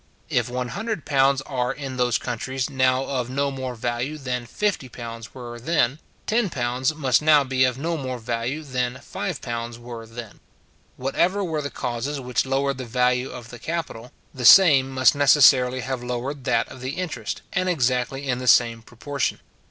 If £100 are in those countries now of no more value than £50 were then, £10 must now be of no more value than £5 were then. Whatever were the causes which lowered the value of the capital, the same must necessarily have lowered that of the interest, and exactly in the same proportion.